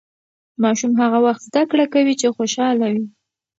ماشوم هغه وخت زده کړه کوي چې خوشاله وي.